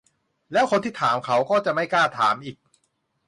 แล้วคนที่ถามเขาก็จะไม่กล้าถามอีก